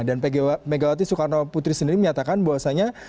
dan megawati soekarnop putri sendiri menyatakan bahwasanya